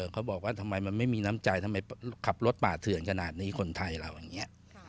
เขาบอกว่าทำไมมันไม่มีน้ำใจทำไมขับรถป่าเถื่อนขนาดนี้คนไทยเราอย่างนี้